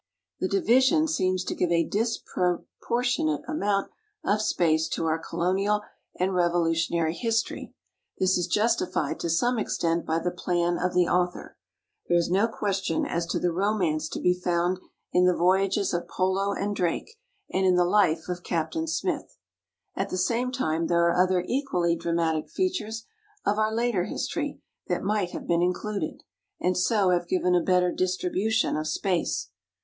The division seems to give a disproportionate amount of space to our Colonial and Revolutionary history. This is justified to some extent by the plan of the author. There is no question as to the romance to be found in the voyages of Polo and Drake, and in the life of Captain Smith. At the same time there are other equally dramatic features of our later history that might have been included, and so have given a better distribution of space.